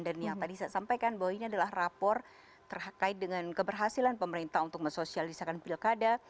dan yang tadi saya sampaikan bahwa ini adalah rapor terkait dengan keberhasilan pemerintah untuk mesosialisakan pilkada